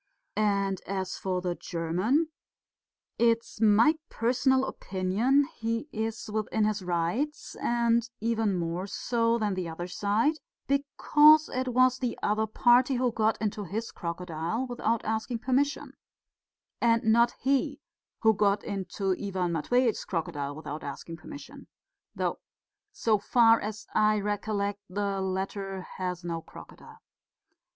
And as for the German, it's my personal opinion he is within his rights, and even more so than the other side, because it was the other party who got into his crocodile without asking permission, and not he who got into Ivan Matveitch's crocodile without asking permission, though, so far as I recollect, the latter has no crocodile.